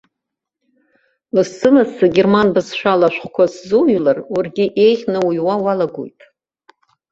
Лассы-лассы герман бызшәала ашәҟәқәа сзуҩлар, уаргьы еиӷьны уҩуа уалагоит.